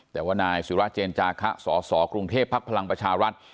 แต่ว่านายศิราเจนจาคะสสกรุงเทพภักดิ์พลังประชารัฐ